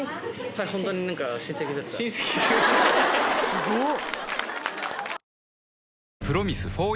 すごっ！